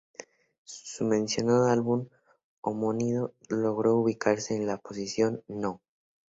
Su mencionado álbum homónimo logró ubicarse en la posición No.